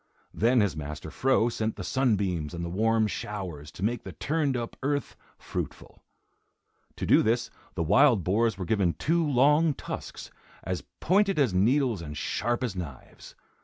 Then his master Fro sent the sunbeams and the warm showers to make the turned up earth fruitful. To do this, the wild boars were given two long tusks, as pointed as needles and sharp as knives.